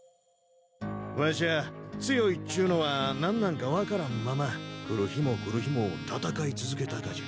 わしは強いっちゅうのは何なんか分からんまま来る日も来る日も戦い続けたがじゃ。